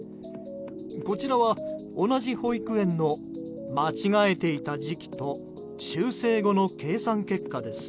こちらは、同じ保育園の間違えていた時期と修正後の計算結果です。